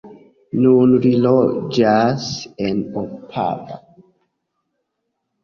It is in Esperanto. Nun li loĝas en Opava.